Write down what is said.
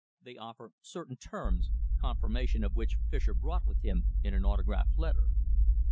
They offer certain terms, confirmation of which Fischer brought with him in an autograph letter."